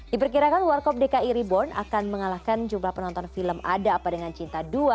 diperkirakan warkop dki reborn akan mengalahkan jumlah penonton film ada apa dengan cinta dua